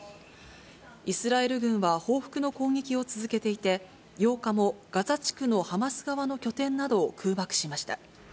イスラエル軍は報復の攻撃を続けていて、８日もガザ地区のハマス側の拠点などを空爆しました。